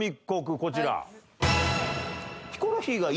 こちら。